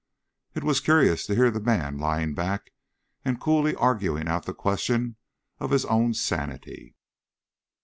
It was curious to hear the man lying back and coolly arguing out the question of his own sanity.